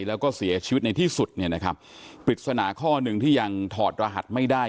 แล้วก็เสียชีวิตในที่สุดเนี่ยนะครับปริศนาข้อหนึ่งที่ยังถอดรหัสไม่ได้